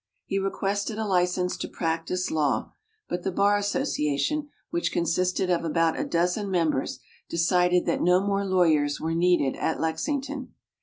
He requested a license to practise law, but the Bar Association, which consisted of about a dozen members, decided that no more lawyers were needed at Lexington.